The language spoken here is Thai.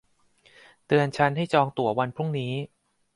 เตือนฉันให้จองตั๋ววันพรุ่งนี้